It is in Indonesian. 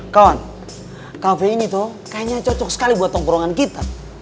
kon kafe ini tuh kayaknya cocok sekali buat tongkrongan kita